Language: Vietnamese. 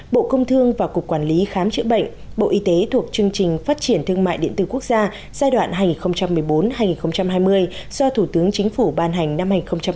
bộ công thương và cục quản lý khám chữa bệnh bộ y tế thuộc chương trình phát triển thương mại điện tử quốc gia giai đoạn hai nghìn một mươi bốn hai nghìn hai mươi do thủ tướng chính phủ ban hành năm hai nghìn một mươi